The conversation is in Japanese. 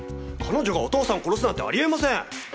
彼女がお父さんを殺すなんてあり得ません！